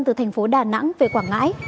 từ thành phố đà nẵng về quảng ngãi